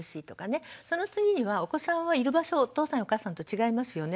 その次にはお子さんはいる場所がお父さんやお母さんと違いますよね。